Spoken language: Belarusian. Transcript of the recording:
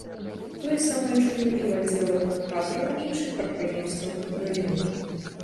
Тое самае чую і ў аддзелах кадраў іншых прадпрыемствах галіны.